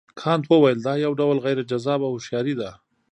کانت وویل دا یو ډول غیر جذابه هوښیاري ده.